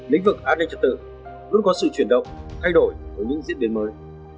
lĩnh vực an ninh trật tự luôn có sự chuyển động thay đổi với những diễn biến mới